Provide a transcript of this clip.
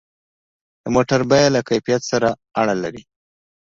د موټر بیه له کیفیت سره اړه لري.